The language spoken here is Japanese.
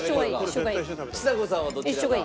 ちさ子さんはどちらが。